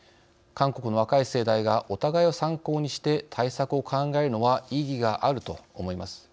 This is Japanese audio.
韓国の若い世代がお互いを参考にして対策を考えるのは意義があると思います。